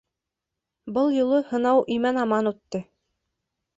Был юлы һынау имен-аман үтте!